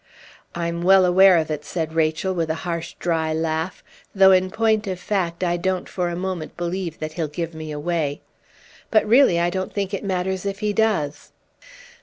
"I'm well aware of it," said Rachel, with a harsh, dry laugh, "though in point of fact I don't for a moment believe that he'll give me away. But really I don't think it matters if he does."